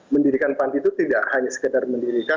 mendirikan panti itu tidak hanya sekedar mendirikan